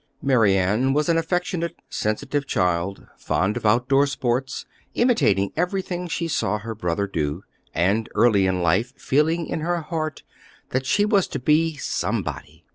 Mary Ann was an affectionate, sensitive child, fond of out door sports, imitating everything she saw her brother do, and early in life feeling in her heart that she was to be "somebody."